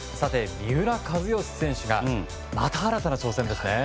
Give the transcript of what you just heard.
三浦知良選手がまた新たな挑戦ですね。